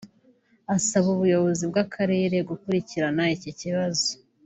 asaba ubuyobozi bw’akarere gukurikirana iki kibazo